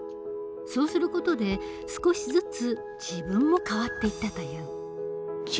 そうする事で少しずつ自分も変わっていったという。